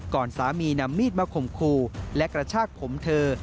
สามีนำมีดมาข่มขู่และกระชากผมเธอ